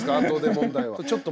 問題は。